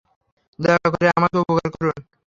দয়া করে আমাকে উপকার করুন।